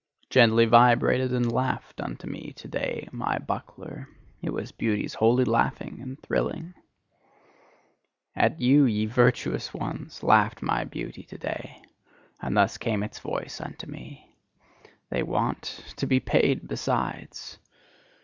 Gently vibrated and laughed unto me to day my buckler; it was beauty's holy laughing and thrilling. At you, ye virtuous ones, laughed my beauty to day. And thus came its voice unto me: "They want to be paid besides!"